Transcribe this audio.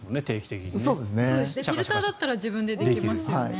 フィルターだったら自分でできますよね。